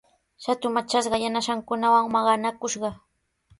Shatu matrashqa yanasankunawan maqanakushqa.